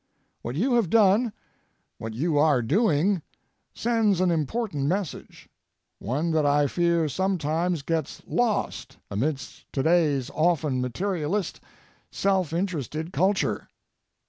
What you have done, what you are doing, sends an important message, one that I fear sometimes gets lost amidst today's often materialist, self interested culture.